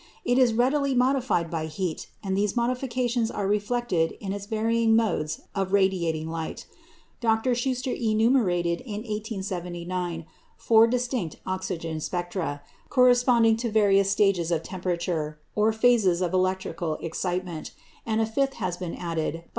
It is readily modified by heat, and these modifications are reflected in its varying modes of radiating light. Dr. Schuster enumerated in 1879 four distinct oxygen spectra, corresponding to various stages of temperature, or phases of electrical excitement; and a fifth has been added by M.